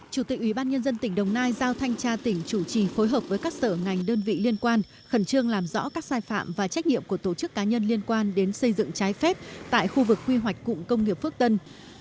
chủ tịch ubnd tỉnh đồng nai giao thanh tra tỉnh chủ trì phối hợp với các sở ngành đơn vị liên quan khẩn trương làm rõ các sai phạm và trách nhiệm của tổ chức cá nhân liên quan đến xây dựng trái phép tại khu vực quy hoạch cụm công nghiệp phước tân